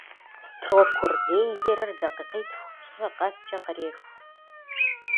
Строккур гейзерыр дакъикъитху-пщӏы къэскӀэ къреху.